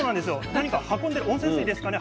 何か運んでる温泉水ですかね？